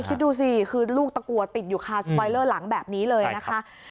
คิดดูสิคือลูกตะกัวติดอยู่คาสปอยเลอร์หลังแบบนี้เลยนะคะ